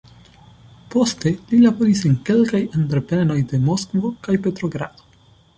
Poste li laboris en kelkaj entreprenoj de Moskvo kaj Petrogrado.